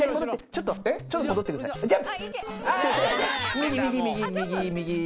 ちょっとちょっと戻ってください右？